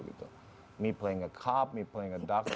saya mainin seorang kapal saya mainin seorang dokter